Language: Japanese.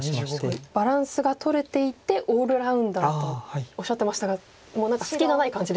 すごいバランスがとれていてオールラウンダーとおっしゃってましたがもう何か隙がない感じですね。